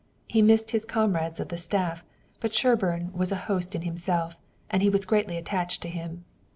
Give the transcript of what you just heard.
He missed his comrades of the staff, but Sherburne was a host in himself, and he was greatly attached to him.